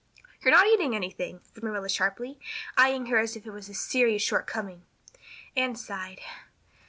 "You're not eating anything," said Marilla sharply, eying her as if it were a serious shortcoming. Anne sighed.